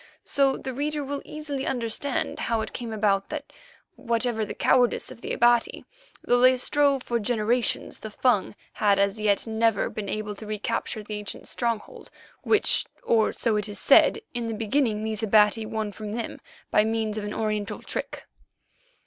So the reader will easily understand how it came about that, whatever the cowardice of the Abati, though they strove for generations, the Fung had as yet never been able to recapture the ancient stronghold, which, or so it is said, in the beginning these Abati won from them by means of an Oriental trick.